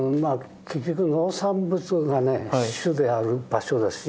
結局農産物がね主である場所ですし。